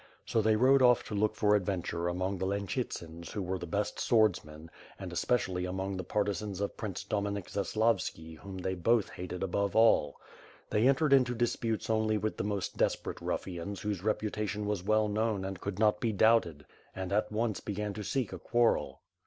So they rode off to look for ad venture among the Lenchytsans who were the. best swords men, and especially among the partisans of Prince Dominik Zaslavski whom they both hated above all. They entered into disputes only with the most desperate ruffians whose reputation was well known and could not be doubted, and at once began to seek a quarrel.